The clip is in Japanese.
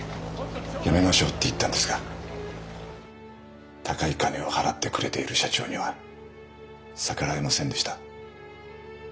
やめましょうって言ったんですが高い金を払ってくれている社長には逆らえませんでした。